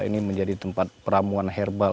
ini menjadi tempat peramuan herbal